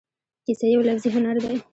کیسه یو لفظي هنر دی.